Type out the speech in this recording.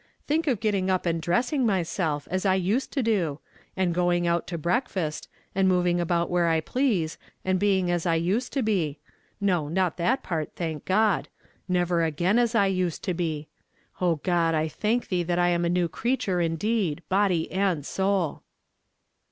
"Think of getting up and di essing myself, as I used to do! And going out to breakfast, and moving about where I please, and being as I used to be ! No, not that ])art, thank God. Never again as I used to be. O (iod, I thank thee that I am a new creature indeed, luxly and soul